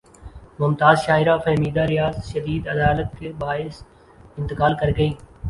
ممتاز شاعرہ فہمیدہ ریاض شدید علالت کے باعث انتقال کر گئیں